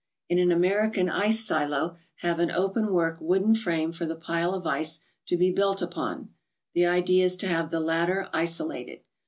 In an American ice silo, have an open work, wooden frame for the pile of ice to be built upon. The idea is to have the latter isolated.